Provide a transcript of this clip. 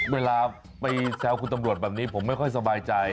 เวลาไปแซวคุณตำรวจแบบนี้ผมไม่ค่อยสบายใจ